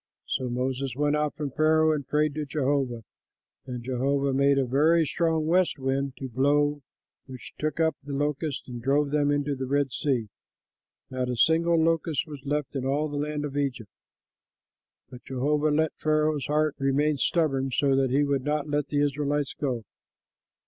So Moses went out from Pharaoh and prayed to Jehovah, and Jehovah made a very strong west wind to blow which took up the locusts and drove them into the Red Sea; not a single locust was left in all the land of Egypt. But Jehovah let Pharaoh's heart remain stubborn, so that he would not let the Israelites go.